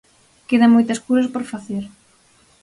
Quedan moitas cousas por facer.